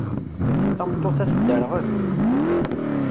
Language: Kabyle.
Tameṭṭut-a tedderɣel.